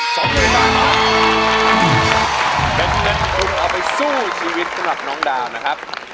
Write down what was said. จัดคุณเอาไปสู้ชีวิตของน้องดาวนะครับ